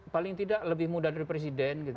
paling tidak lebih muda dari presiden